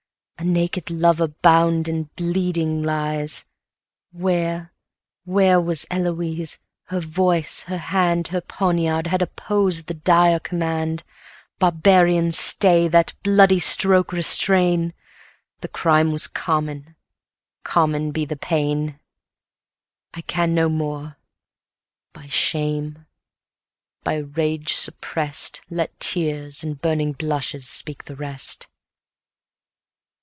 A naked lover bound and bleeding lies! 100 Where, where was Eloise? her voice, her hand, Her poniard, had opposed the dire command. Barbarian, stay! that bloody stroke restrain; The crime was common, common be the pain. I can no more; by shame, by rage suppress'd, Let tears and burning blushes speak the rest.